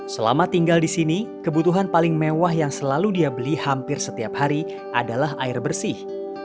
selama tinggal di sini kebutuhan paling mewah yang selalu dia beli hampir setiap hari adalah air bersih